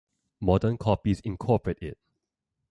Modern copies incorporate it.